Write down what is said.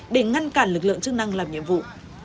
để ngăn cản lực lượng chức năng làm nhiệm vụ